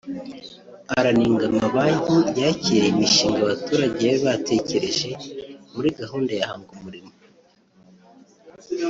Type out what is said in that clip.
aranenga amabanki yakiriye imishinga abaturage bari batekereje muri gahunda ya Hanga Umurimo